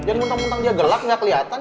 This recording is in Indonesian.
jangan muntah muntah dia gelap gak keliatan